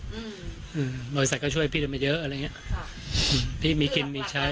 อืมอืมบริษัทก็ช่วยพี่ได้มาเยอะอะไรอย่างเงี้ยค่ะอืมพี่มีกินมีใช้